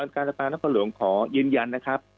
ขอยืนยันนะครับ